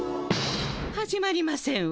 始まりませんわ。